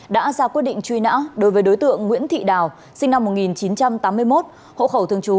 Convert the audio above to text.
đã ra quyết định truy nã đối với đối tượng nguyễn thị đào sinh năm một nghìn chín trăm tám mươi một hộ khẩu thường trú